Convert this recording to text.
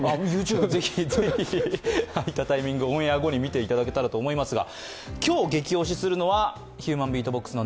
ぜひあいたタイミング、オンエア後に見ていただければと思いますが。